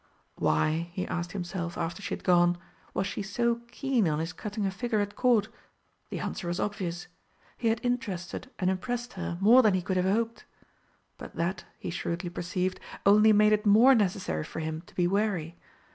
Why, he asked himself, after she had gone, was she so keen on his cutting a figure at Court? The answer was obvious he had interested and impressed her more than he could have hoped. But that, he shrewdly perceived, only made it more necessary for him to be wary.